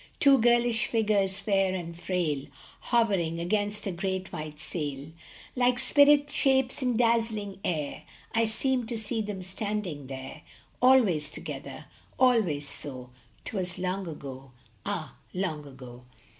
Two girlish figures, fair and frail, Hovering against a great white sail Like spirit shapes in dazzling air, I seem to see them standing there, Always together, always so, T was long ago, oh, long ago